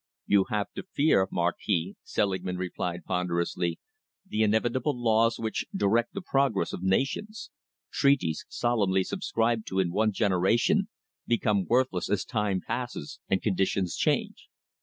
"You have to fear, Marquis," Selingman replied ponderously, "the inevitable laws which direct the progress of nations. Treaties solemnly subscribed to in one generation become worthless as time passes and conditions change."